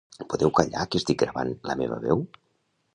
Podeu callar que estic gravant la meva veu?